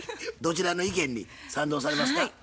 どちらの意見に賛同されますか？